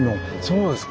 そうです！